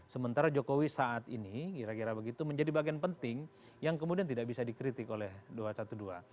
sementara jokowi saat ini kira kira begitu menjadi bagian penting yang kemudian tidak bisa dikritik oleh dua ratus dua belas